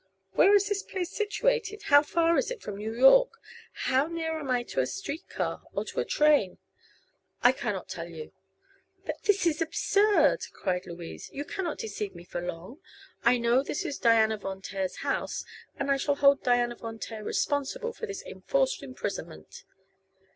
"Where is this place situated? How far is it from New York? How near am I to a street car, or to a train?" "I cannot tell you." "But this is absurd!" cried Louise. "You cannot deceive me for long. I know this is Diana Von Taer's house, and I shall hold Diana Von Taer responsible for this enforced imprisonment."